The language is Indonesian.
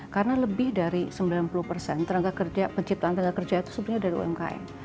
karena lebih dari sembilan puluh penciptaan tenaga kerja itu sebenarnya dari umkm